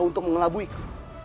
untuk mengelabui ku